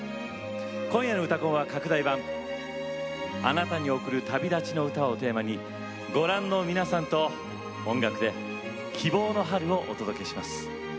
今夜の「うたコン」は拡大版「あなたに贈る旅立ちのうた」をテーマにごらんの皆さんと音楽で希望の春をお届けします。